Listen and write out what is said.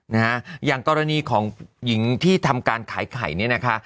นะฮะอย่างกรณีของหญิงที่ทำการขายไข่เนี่ยนะคะ